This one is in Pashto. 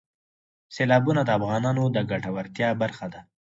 سیلابونه د افغانانو د ګټورتیا برخه ده.